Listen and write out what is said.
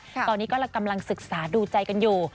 ตอนนี้กำลังศึกษาดูใจกันอยู่